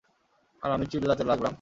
আর আমি চিল্লাতে লাগলাম।